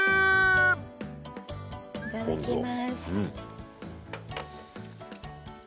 いただきます。